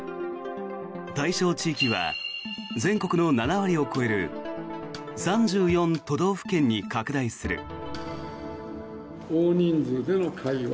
対象地域は全国の７割を超える３４都道府県に拡大する。